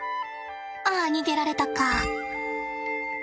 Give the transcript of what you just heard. ああ逃げられたか。